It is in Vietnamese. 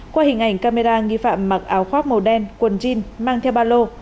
qua hình ảnh camera nghi phạm mặc áo khoác màu đen quần jean mang theo ba lô